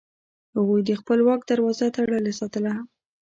هغوی د خپل واک دروازه تړلې ساتله.